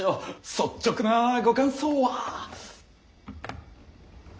率直なご感想は。